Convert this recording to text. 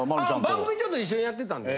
番組ちょっと一緒にやってたんで。